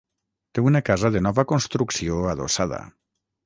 Té una casa de nova construcció adossada.